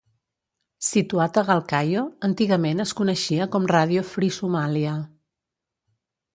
Situat a Galkayo, antigament es coneixia com Radio Free Somàlia.